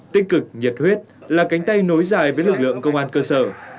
tích cực nhiệt huyết là cánh tay nối dài với lực lượng công an cơ sở